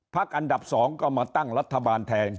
อันดับ๒ก็มาตั้งรัฐบาลแทน